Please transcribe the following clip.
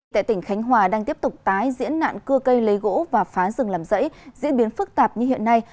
tại tỉnh khánh hòa đang tiếp tục tái diễn nạn cưa cây lấy gỗ và phá rừng làm rẫy diễn biến phức tạp như hiện nay